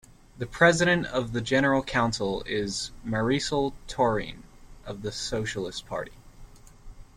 The President of the General Council is Marisol Touraine of the Socialist Party.